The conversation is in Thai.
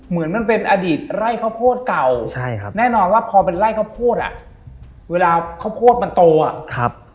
เหมือนมันเป็นอดีตไล่ข้าวโพดเก่าแน่นอนพอไล่ข้าวโพดอะเวลาข้าวโพดมันโตอ่ะ